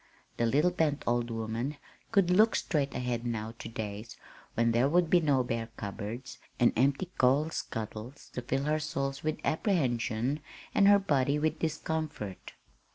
The little bent old woman could look straight ahead now to days when there would be no bare cupboards and empty coal scuttles to fill her soul with apprehension, and her body with discomfort.